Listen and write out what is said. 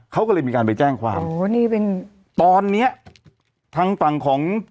เขาก็เลยมีการไปแจ้งความโอ้นี่เป็นตอนเนี้ยทางฝั่งของ